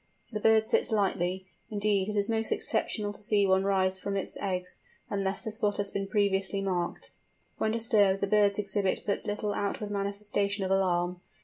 The bird sits lightly: indeed it is most exceptional to see one rise from its eggs, unless the spot had been previously marked. When disturbed, the birds exhibit but little outward manifestation of alarm.